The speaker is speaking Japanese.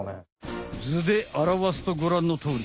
ずであらわすとごらんのとおり。